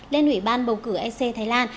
lên ủy ban bầu cử sc thái lan